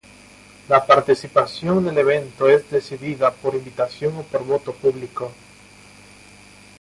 La participación en el evento es decidida por invitación o por voto público.